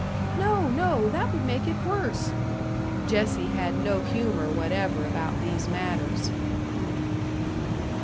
"No, no! That would make it worse!" Jessie had no humour whatever about these matters.